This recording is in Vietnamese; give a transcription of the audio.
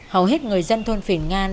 hầu hết người dân thôn phìn ngan